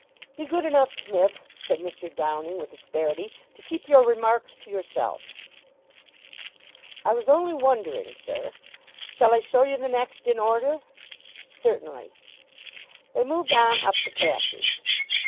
"Be good enough, Smith," said Mr. Downing with asperity, "to keep your remarks to yourself." "I was only wondering, sir. Shall I show you the next in order?" "Certainly." They moved on up the passage.